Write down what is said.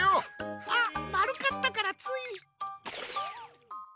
あっまるかったからつい。